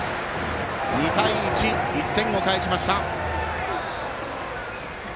２対１、１点を返しました。